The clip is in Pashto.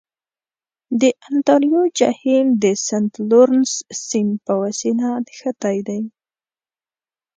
د انتاریو جهیل د سنت لورنس سیند په وسیله نښتی دی.